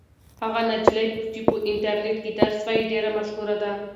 هغه نجلۍ چې په انټرنيټ کې درس وایي ډېره مشهوره ده.